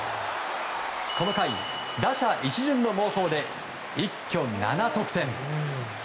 この回、打者一巡の猛攻で一挙７得点。